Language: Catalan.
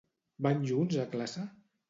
Van junts a classe?